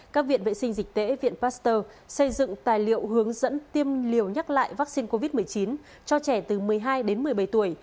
các viện vệ sinh dịch tế viện pasteur xây dựng tài liệu hướng dẫn tiêm liều nhắc lại vaccine covid một mươi chín cho trẻ từ một mươi hai đến một mươi bảy tuổi